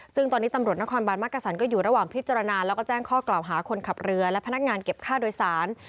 ซึ่งตอนนี้ตำรวจนครบานมักกษันก็อยู่ระหว่างพิจารณาแล้วก็แจ้งข้อกล่าวหาคนขับเรือและพนักงานเก็บค่าโดยสาร